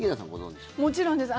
もちろんです。